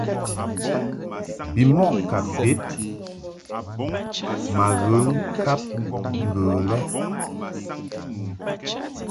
Bimɔʼ ka bed ma ghe ŋkab ŋgə lɛ.